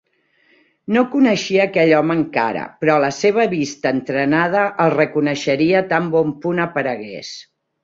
No coneixia aquell home encara, però la seva vista entrenada el reconeixeria tan bon punt aparegués.